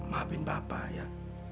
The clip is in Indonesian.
ya maafin bapak ya